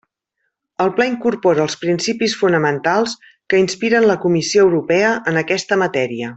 El pla incorpora els principis fonamentals que inspiren la Comissió Europea en aquesta matèria.